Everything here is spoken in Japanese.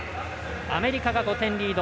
アメリカが５点リード。